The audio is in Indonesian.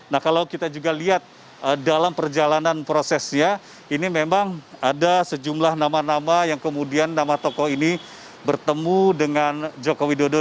nah kalau kita juga lihat dalam perjalanan prosesnya ini memang ada sejumlah nama nama yang kemudian nama tokoh ini bertemu dengan joko widodo